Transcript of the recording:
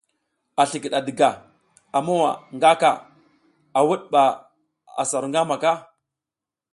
A slikid a diga, a mowa nga ka, a wud ba asa ru ngamaka.